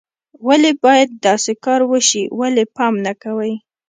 ولې باید داسې کار وشي، ولې پام نه کوئ